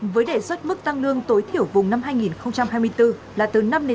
với đề xuất mức tăng lương tối thiểu vùng năm hai nghìn hai mươi bốn là từ năm năm